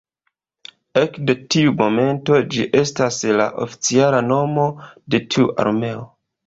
Ekde tiu momento ĝi estas la oficiala nomo de tiu armeo.